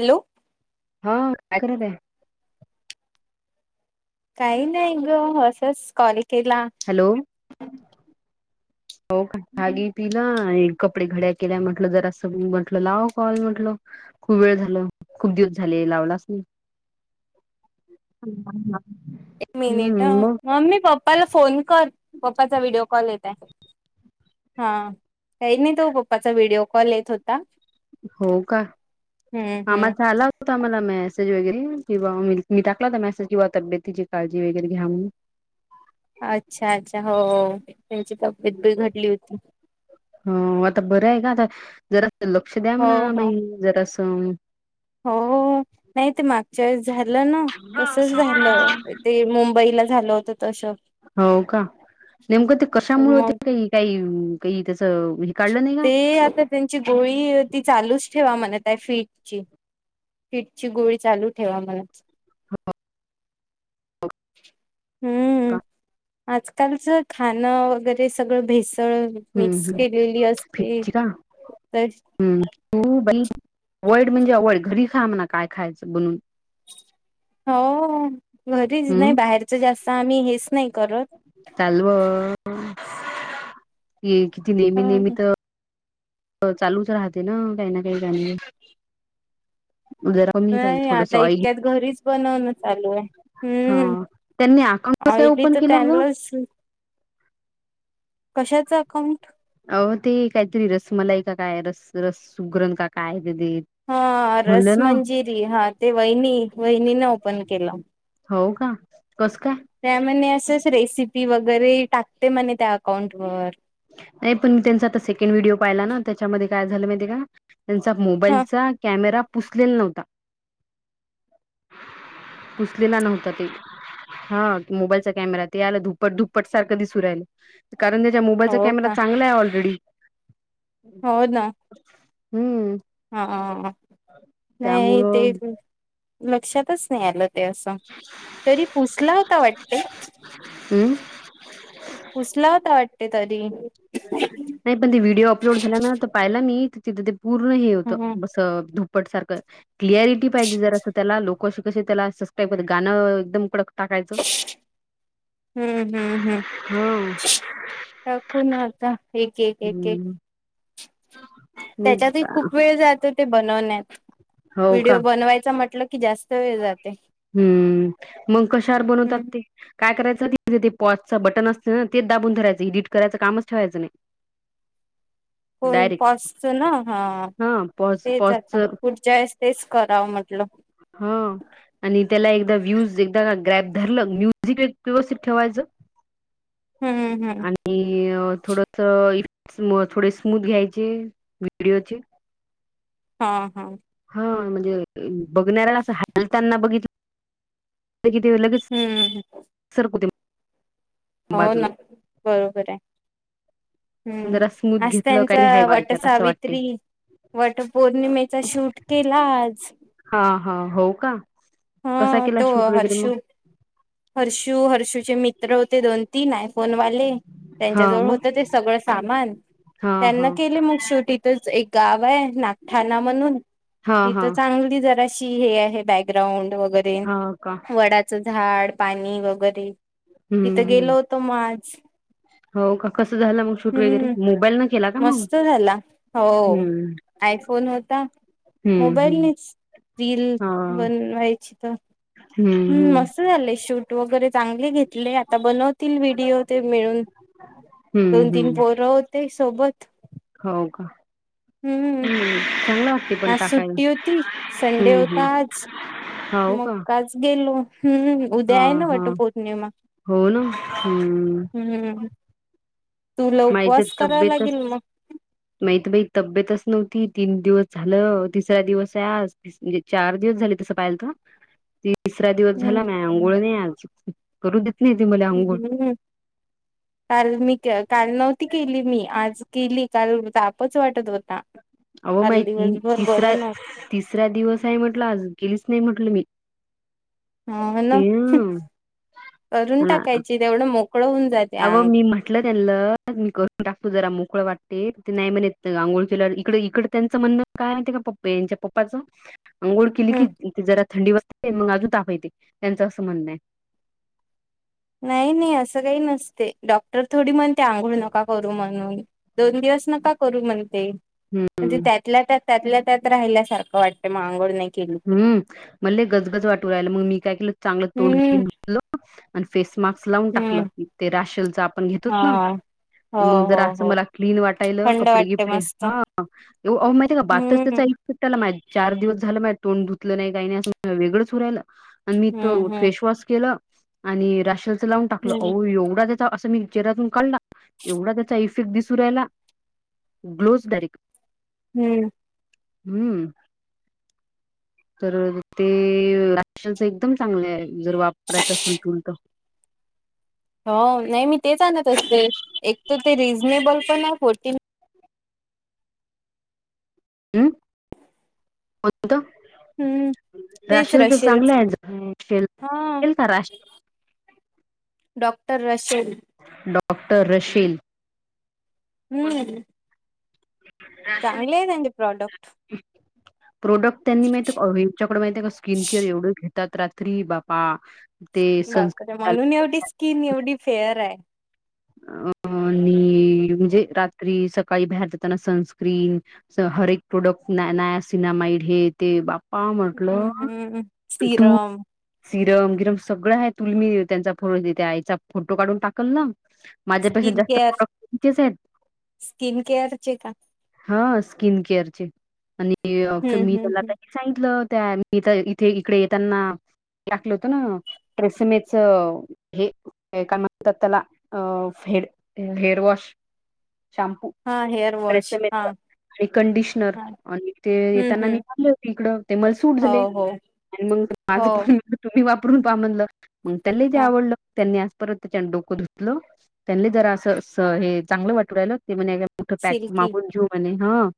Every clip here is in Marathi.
हॅलो हा काय करत आहे? काही नाही ग आसच कॉल केला. हॅलो हो का खाली पिला आणि कपडे घड्या केल्या म्हटलं जरासं म्हटलं लाव कॉल म्हंटल खूप वेळ झाल खूप दिवस झाले लावलाच नाही. एक मिनिट हम्म मग मम्मी प्प पाला फोन कर पप्पाचा व्हिडिओ कॉल येत आहे. हा काही नाही तो पप्पाचा व्हिडिओ कॉल येत होता. हो का, हम्म मामा हम्म चा आला होता मला मेसेज वगैरे! किंवा मी टाकला होता मेसेज किंवा तब्येतीची काळजी वगैरे घ्या म्हणून. अच्छा अच्छा हो त्यांची तब्येत बीघडली होती. हो आता बरं आहे का आता जरा अस लक्ष द्या हो म्हणा हो बाई जरा असं? हो! नाही ते मागच्या वेळेस झालं ना तसच झालं ते मुंबईला झालं होत हो का नेमकं ते तर कशामुळे ते मग काही काही काही? हे काढलं नाही का ते आता त्यांची गोळी ती चालूच ठेवा म्हणत आहे, फीटची फीट ची गोळी चालू ठेवा मणत हा! हम्म. [inaudible] आजकालच खाणं वगैरे सगळं भेस ळ हम्म मिक्स हम् केलेली असते फिक्ची का अवोइड म्हणजे अवोइड घरी खा म्हणा काय खायचं बनवून. हो घरी नाही हम्म बाहेरच जास्त तर आम्ही हेच नाही करत! चालव ये किती नेहमी नेहमी तर चालूच राहते ना काही ना काही काही. जर कमी खायच नाही थोडस आता ऑयली. इतक्यात घरीच बनवणं चालू आहे हम्म त्यांनी अकाउंट कस आयडी ओपन च केलं चालू ग असल. कशाच अकाउंट? अहो ते काहीतरी रसमलाई का काय रस रस सुग्रण का काय? ते हा रस म्हणलं ना मंजिरी हा ते वहिनी वहिनीने ओपन केलं. हो का कसं काय? त्या म्हणे असंच रेसिपी वगैरे टाकते म्हने त्या अकाउंटवर. नाही पण मी त्यांचा आता सेकंड व्हिडिओ पाहिला ना त्याच्यामध्ये काय झालं माहिती आहे का! त्यांचा ह मोबाईलचा कॅमेरा पुसलेला नव्हता. [inaudible] पुसलेला नव्हता ते. हा मोबाईलचा कॅमेरा ते आलं धुप्पट धुप्पट सारखं दिसु राहिलं. कारण त्याच्या मोबाईलचा हो कॅमेरा का चांगला आहे ऑलरेडी. हो ना! हम्म! हां नाही ते त्यामुळं लक्षातच नाही आलं ते असं, तरी पुसला होता वाटत. हम्म पूसला होता वाटते तरी. नाही पण ते व्हिडिओ अपलोड झाला ना पाहिला मी तिथं ते पूर्ण हे हम्म होतं अस धूप पट सारखं क्लियारीटी पाहिजे जरा स्वतःला. लोकं असं कशे त्याला सब्स्करायबर गाणं एकदम कडक टाकायचं. हम्म हम्म हम्म हा टाकू ना आता. एक एक एक एक हम्म त्याच्यातही खूप वेळ जातो ते बनवण्यात. हो का व्हिडिओ बनवायचा म्हटलं की जास्त वेळ जातो. हम्म मग कशावर बनवतात हम्म ते, काय कराय पॉजचं बटन असते ना तेच दाबून धरायचं, इडिट करायचं कामच ठेवायचं नाही. होन डायरेक्ट पॉजच ना हा. हा पॉज तेच पॉजच आता, पुढच्या वेळेस तेच करावं म्हटलं. हं! आणि त्याला एकदा व्ह्यूज एकदा ग्रॅप धरलं, म्युझिक व्यवस्थित ठेवायचं हम्म हम्म आणि थोडंसं इ थोडे स्मूद घ्यायचे व्हिडिओचे हं हं हं म्हणजे बघनाऱ्याला असं हालताना बघितलं काय की ते लगेच हम्म सरकु दे हो ना, बरोबर आहे. हं जरा स्मूथ आज घेतलं त्यांचा काही हाय वट व्हायच्यात असं वाटते सावित्री वटपौर्णिमेचा शूट केला आज. हा हा हो का कसा हा केला तो शूट वगैरे हर्षू, मग हर्षू हर्षूचे मित्र होते दोन तीन आयफोन वाले, हा त्यांच्याजवळ होत मग ते सगळं सामान. हा हा त्यांना केले मग शेवटी, तेच एक गाव आहे नागठाणा म्हणून. हा हा तिथं चांगली जराशी हे आहे बॅकग्राउंड वगैरे हा का वडाचं झाड पाणी वगैरे हम्म तिथं हम्म गेलो होतो म आज हो का कसं झालं मग शूट वगैरे हूं मोबाईल न केला का मग मस्त झाला हो, हम्म आयफोन होता. हम्म हम्म मोबाईलनेच रील हा बनवायची त हम्म हूं हम्म मस्त झालंय शूट वगैरे चांगले घेतले. आता बनवतील व्हिडिओ. ते मिळून हम्म दोन तीन हम्म पोरं होते सोबत हो का? हूं हम्म चांगलं वाटते पण आज टाकायला सुट्टी होती, संडे हम्म होता हम्म आज हो मग का काच गेलो हूं हूं उद्या आहे हां, ना हां. वटपौर्णिमा हो ना हूं हूं माही तर तब्येतच, लागेल मग माहीत बाई तब्येतच नव्ह ती तीन दिवस झालं, तिसरा दिवस आहे आज म्हणजे चार दिवस झाले तसं पाहिल त [inaudible] तिसरा दिवस झाला हम्म माही अंघोळ नाही आज करू द हूं काल मी का काल नव्हती केली मी आज गेली काल तापच वाटत होता अव काल माही तीन दिवसभर तिसरा बरं नव्हत तिसरा दिवस आहे, म्हटलं आज केलीच नाही म्हंटलं मी ह ना ते करून टाकायची तेवढं मोक अवं मी म्हटलं त्याना मी करून टाकतो जरा मुक कळ वाटते त नाही म्हणयेत आंगुळ किल्यावं इकड इकडं त्यांचं म्हणणं काय माहित का पप्पे यांच्या पप्पाचं अंघोळ केली कि जरा थंडी वाजते मग अजून ताप येते त्यांचं असं म्हणणं आहे. नाही, नाही असं काही नसते, डॉक्टर थोडी म्हणते आंघोळ नका करू म्हणून दोन दिव सं नका करू म्हणते, हम्म म्हणजे त्यातल्या, त्यातल्या त्यात राहिल्यासारख वाटते मग आंघोळ नाही केली की हूं मल लयी गजगज वाटू राहिलं मग मी काय केलं चांगलं तोंड हम्म बिन्ड धुतलं अन फेस मास्क लावून टाकलं हम्म ते राशलच आपण घेतोत ना. हा हो मग जर हो असं हो मला क्लीन वाटायल थंड कपडे वाटते गिपडे मस्त हा अ माहितीय का बाथच हम्म त्याचाय. त्याला माही चार दिवस झाला माय तोड धुतल नाही काही नाही असं वेगळंच हू राहील. आणि मी तो हम्म हम्म फेसवॉश केलं आणि राशलच लावून टाकलं हम्म अओ एवढा त्या अस मी चेहऱ्यातून काढला, एवढा त्याचा इफे क्ट दिसु रायला ग्लोज डायरेक हम्म. हम्म. तर ते राशनच एकदम चांगलं हाय, जर वापरायचं असेल तुल तर हो नाही मी तेच आणत असते. एक तर ते रिजनेबल पण हाय फोर्ट - - हम् हो का? हम्म तेच राशनचं रशील चांगलं हाय हा [unintelligible] डॉक्टर रशियल. Doctor Rachel. हम्म. राशेल चांगले आहे त्यांचे प्रॉडक्ट? प्रोडक्ट त्यांनी माह यांच्याकडे माहि का स्किन केअर एवढे घेतात रात्री बापा. ते बापरे! सनस्क्रीन म्हणून एवढी स्किन एवढी फेअर हाय. [unintelligible] आणि म्हणजे रात्री सकाळी बाहेर जाताना सनस्क्रीम हर एक प्रॉडक्ट नाय नाय - - हे ते बा्पा म्हटल हम्म, हम्म. तू सीरम, सिरम गिरम - - सगळं हाय तुल मी त्यांचा फज आईचा फोटो काढून टाकल ना. माझ्यापेक्षा स्किन जास्त केअर, प्रोडट त्याचेच आहेत. स्किन केअरचे का? हा स्किन केअरचे. आणि हम्म, मी हम्म, त्याला हम्म. सांगितलं त्या मी तर इथे इकडे येताना - - टाकल होतं ना प्रेसमेच हे काय म्हणतात त्याला अ - - हेड हेअर वॉश शॅम्पू. हां, हेअर वॉश ट्रेसेमेच हा. आणि कंडिशनर आणि ते हं, येताना मी हं. मारले होते इकड ते मले सूट झाले. हो, हो, आणि मग माझ हो. पण तुम्ही वाफ रून पहा म्हणलं मग त्याला ते हां, आवडलं. त्यांनी आज परत त्यानं डोकं धुतलं. त्यांनी जरा असं अस हे चांगलं वाटु राहिलं ते म्हणे मोठ पॅक मागून घेऊ म्हणे ह.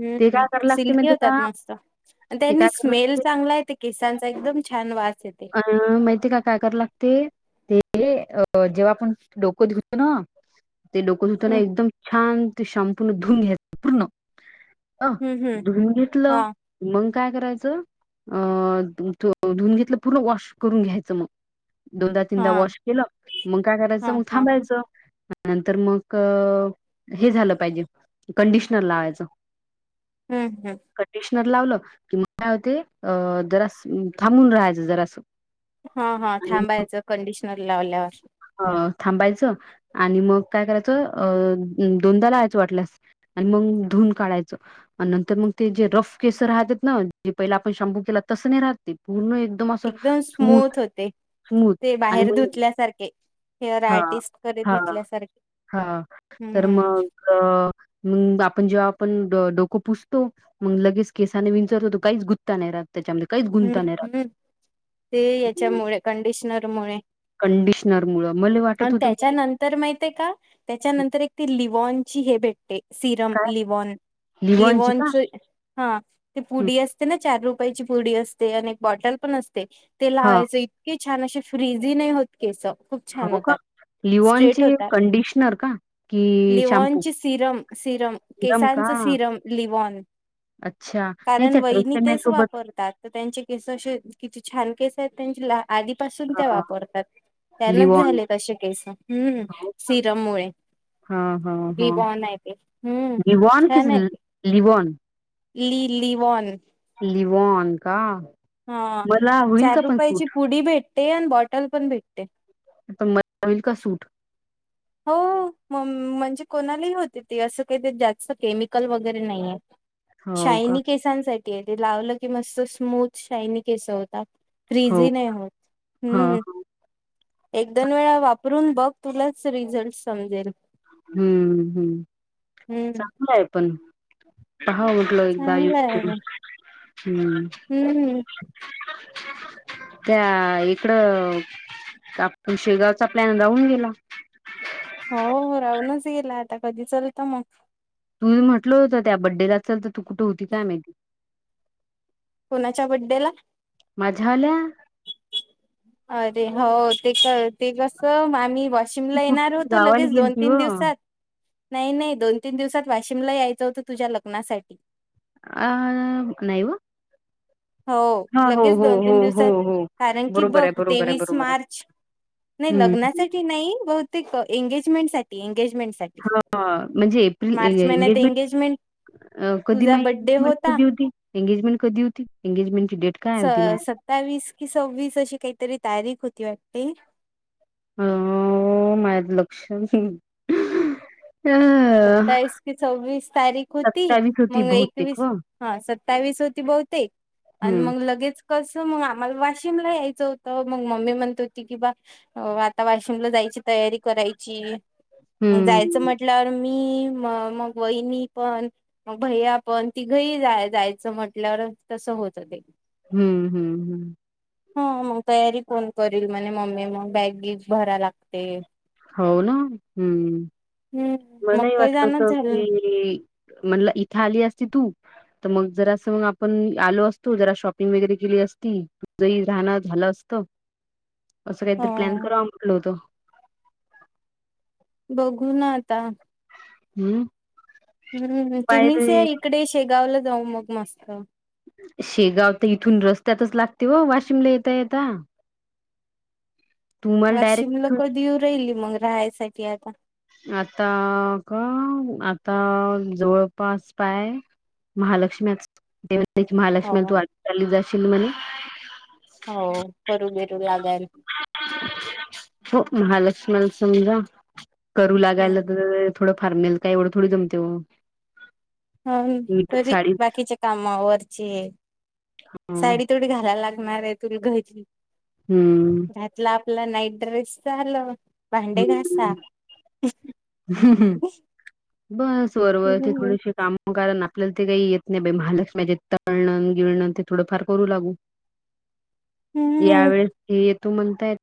हम्मम सिल्की होतात मस्त. ते काय त्यांनी कराय स्मेल लागते चांगला येते केसांचा एकदम छान. वास येते. अं माहिती का काय कराय लागतयं. ते अ जेव्हा आपण डोकं धुतोना ते डोकं धुताना हं, एकदम छान ते शाम्पू ने धून घ्यायचे पूर्ण - - अ हं, हं. धून घेतलं हां, मग. काय करायचं अ धुन घेतलं पूर्ण वॉश करून घ्यायचं मग - - दोनदा तीनदा हां, वॉश केलं मग काय करायचं, हां, मग हां. थांबायचं. नंतर मग हे झालं पाहिजे कंडिशनर लावायचं. हम्म, हम्म. नंतर लावलं की मग काय होतयं जरास थांबून राहायच जरास. हा हा. थांबायचं कंडिशनर लावल्यावर. ह थांबायचं आणि मग काय करायचं, अ दोनदा लावायचं वाटल्यास. आणि मग धुन काढायचं आणि नंतर मग ते जे रफ केसर राहतात, ना जे पहिला आपण शाम्पू केला तस नाही राहतते पूर्ण एकदम असं स्मूथ स्मूथ ते आणि बाहेर म्हण - - धुतल्यासारखे. हेअर आर्टिस्ट कडे धुतल्यासारखे. हा तर हम्म. मग आपण जेव्हा पण डोको पुसतो मग लगेच केसाने विचारतो तो काहीच गुत्ता नाही रात. हम्म हम्म ते याच्यामुळे कंडिशनरमुळे. कंडिशनर मुळ मला वाटत होतं त्याच्या बाई नंतर माहितय का त्याच्यानंतर एक ती लिवॉन - - चि हेे भेटते. सिरम काय लिवॉन लिवॉनची का लिवॉनच हा ते पुडी असते ना चार रुपे ची पुडी असते आणि बॉटल पण असते ते हा लावायच इतके - - छान असे फ्रीझी नाही होत केस खूप छान हो का? होतात. स्रेट लिओनचे होत कंडिशनर का? की leave in shampoo? Serum serum serum केसां का? सिरम लिवन अच्छा. नाही कारण त्या वहिनी ट्रेसेमे तेच सोबत वापरत तर त्यांचे केस असे किती छान केस आहेत. त्यां आधीपासून ते अ, वापरतात त्यानच लिवॉन. झाले कसे केस हम्म हो. सिरम मुळे हां, हां, बी हां. बॉनय त हम्म लिवॉन की छानानय ल त लिवॉन? लि लिवोन लिववोन का हा मला होईल चार का पण रुपयाची सूट? पुडी भेटते आणि बॉटल पण भेटते म का सूट हो म म्हणजे कोणालाही होते ते असं काही ते जास्त केमिकल वगैरे नाहीे हो का? शायनी केसांसाठी आहे ते लावलं की मस्त स्मूथ शायनी केस होता. फ्रीज हो. नाही हां, होतम् हां. एक दोन वेळा वापरून बघ तुला रिझल्ट समजेल हम्म हम्म हम्म चांगलंय पण पहा उठल एकदा युझ चांगलं आहे. करून हम्म त्या इकडं तर आपण शेगावचा प्लॅन राहून गेला हो राहूनच गेला आता कधी चलता मग तुम्ही म्हटलं होतं त्या बड्डेला चल तर तू कुठं होती काय माती कोणाच्या बड्डे ला मजा आली ह अरे हो ते ते कस आम् वाशिम तू ला येणार कुठे होतो गावाला लगेच दोन गेलती व. तीन दिवसात नाही नाही दोन तीन दिवसात वाशिमला यायचं होतं तुझ्या लग्नासाठी अ नाय हो लगेच दोन तीन हो दिवसात हो कारण की बरोबर बघ आहे बरोबर आहे तेवीस बरोबर आहे. मार्च नाही हम्म. लग्नासाठी नाही बहुतेक एंगेजमेंट साज अ म्हणजे एप्रिल ए मार्च महिन्यात एंगेजमेंट कधी तुझा बड्डे माजमेंट होता कधी होती एंगेजमेंट कधी होती एंगेजमेंटची डेट काय स होती माय? सत्तावीस कि सव्वीस अशी काहीतरी तारीख होती वटे अ माझ लक्ष च नय. सत्तावीस की सव्वीस तारीख होती, सत्तावीस होती मग बहुतेक व. एकवीस हा सत्तावीस होती, बहुतेक आणि हम्म. मग लगेच कस मग आम्हाला वाशिमला यायचं होतं. मग मम्मी म्हणत होती की बा आता वाशिमला जाय तयारी करायची हम्म म्हटल्यावर मी, म मग वहिनी पण, मग भैया पण, तिघही जा. जायचं म्हटल्यावर - [unintelligible] हम्म, हम्म, हम्म. ह मग तयारी कोण करील? म्हणे मम्मी मग बॅग-बिग भरा लागते. हाव न? हम्म, हम्म मग मलेही काही वाटलं जाणच होत झालं की - म्हणल इथे आली असती, तू त मग जरासं, आपण आलो असतो. जरा शॉपिंग वगैरे केल - [unintelligible] [inaudible] हा [unintelligible] बघू ना आता... हम्म - हूं, हूं, तुम्हीच या इकडे. शेगावला जाऊ मग मस्त. शेगाव तर इथून रस्त्यातच लागते व, वाशिमले येेता- येता. तुम्हाला डायरेक्ट वाशिमला इथून कधी येऊ राहिली? मग राहायसाठी आता. आता का? आता जवळपास पाय - हो [unintelligible] [unintelligible] हो, महालक्ष्मी समजा. हम्म [unintelligible] मी तर साडी [unintelligible] हम्म [unintelligible] हम्म. [unintelligible] घासा [unintelligible] [unintelligible] आपल्याला हम्म ते काही येत नाही. बाई महालक्ष्मीचेे तळणन-बिळणन ते थोडंफार करू लागू. या वेळेस हे येतो, म्हणतात.